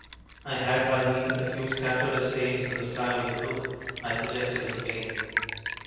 I had by me a few scattered essays in the style of the book I projected in vain.